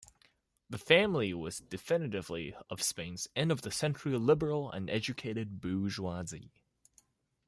The family was definitively of Spain's end-of-the-century liberal and educated bourgeoisie.